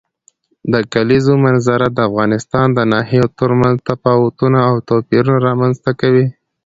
د کلیزو منظره د افغانستان د ناحیو ترمنځ تفاوتونه او توپیرونه رامنځ ته کوي.